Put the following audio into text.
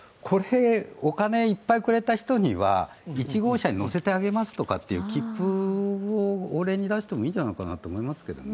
お金いっぱいくれた人には１号車に乗せてあげますって切符をお礼に出してもいいんじゃないかと思うんですけどね。